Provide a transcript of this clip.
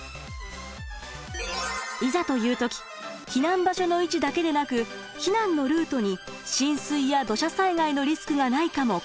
いざという時避難場所の位置だけでなく避難のルートに浸水や土砂災害のリスクがないかも確認。